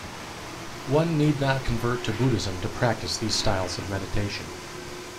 One need not convert to Buddhism to practice these styles of meditation.